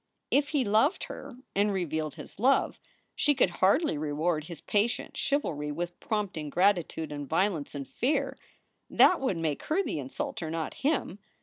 If he loved her and revealed his love, she could hardly reward his patient chivalry with prompt ingratitude and vio lence and fear. That would make her the insulter, not him.